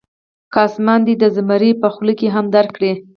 که اسمان دې د زمري په خوله کې هم درکړي.